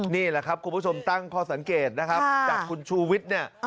นี่แหละครับคุณผู้ชมตั้งข้อสังเกตนะครับจากคุณชูวิทย์เนี่ย